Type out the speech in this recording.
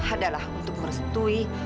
adalah untuk merestui